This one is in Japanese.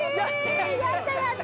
やったやった！